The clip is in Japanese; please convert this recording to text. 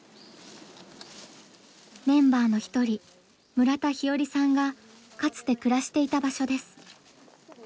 メンバーの一人村田日和さんがかつて暮らしていた場所です。